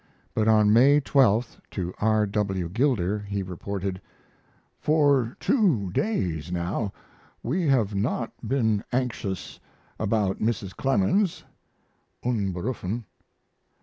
But on May 12th, to R. W. Gilder, he reported: For two days now we have not been anxious about Mrs. Clemens (unberufen).